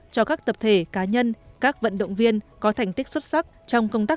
cho các tập thể cá nhân các vận động viên có thành tích xuất sắc trong công tác